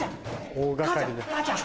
大掛かりな。